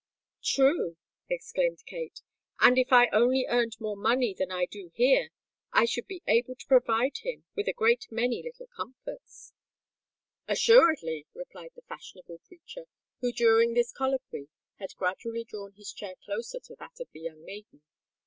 "True!" exclaimed Kate. "And if I only earned more money than I do here, I should be able to provide him with a great many little comforts." "Assuredly," replied the fashionable preacher, who during this colloquy had gradually drawn his chair closer to that of the young maiden.